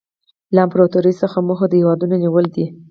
له امپراطورۍ څخه موخه د هېوادونو نیول دي